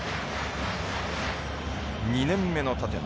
２年目の立野。